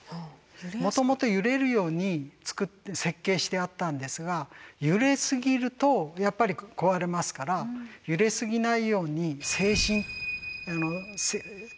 もともと揺れるように設計してあったんですが揺れすぎるとやっぱり壊れますから揺れすぎないように制震って。